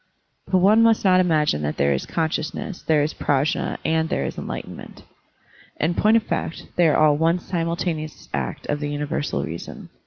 But one must not imagine that there is con sciousness, there is PrajM, and there is enlighten ment. In point of fact, they are all one simul taneous act of the universal reason.